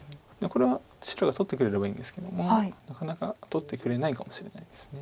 これは白が取ってくれればいいんですけどもなかなか取ってくれないかもしれないです。